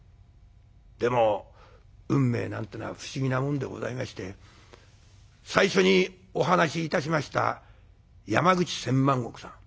でも運命なんてのは不思議なもんでございまして最初にお話しいたしました山口千万石さん。